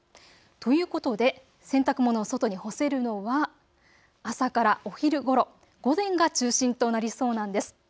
ということで洗濯物を外に干せるのは朝からお昼ごろ、午前が中心となりそうなんです。